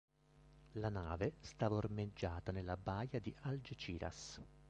La nave stava ormeggiata nella baia di Algeciras.